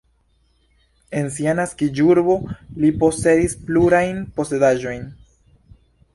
En sia naskiĝurbo li posedis plurajn posedaĵojn.